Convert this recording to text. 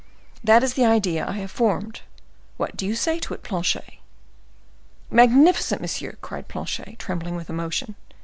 That is the idea I have formed; what do you say to it, Planchet?" "Magnificent, monsieur!" cried Planchet, trembling with emotion.